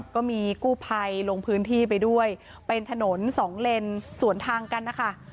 ก็มีกู้ภัยลงพื้นที่ไปด้วยเป็นถนนสองเลนสวนทางกันนะคะ